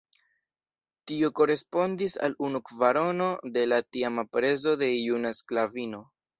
Tio korespondis al unu kvarono de la tiama prezo de juna sklavino.